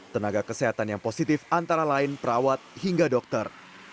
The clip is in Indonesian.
tenaga kesehatan yang positif antara lain perawat hingga dokter